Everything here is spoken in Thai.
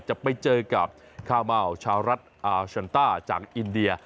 จะไปเจอกับคาเมาชาวรัฐอาชันต้าจากอินเดีย